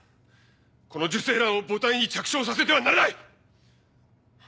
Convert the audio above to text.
この受精卵を母体に着床させてはならない！